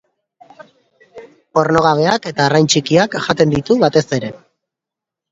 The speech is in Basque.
Ornogabeak eta arrain txikiak jaten ditu, batez ere.